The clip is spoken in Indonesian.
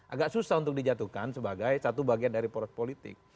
agak susah untuk dijatuhkan sebagai satu bagian dari poros politik